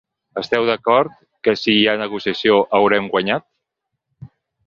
Esteu d’acord que si hi ha negociació, haurem guanyat?